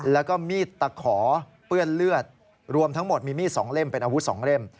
แล้วก็มีดตะขอเปื้อนเลือดรวมทั้งหมดมีมีด๒เล่มเป็นอาวุธ๒เล่ม